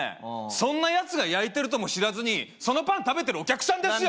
そんなやつが焼いてるとも知らずにそのパン食べてるお客さんですよ